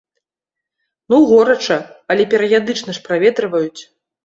Ну, горача, але перыядычна жа праветрываюць.